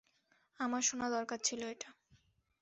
আমার শোনা দরকার ছিল এটা।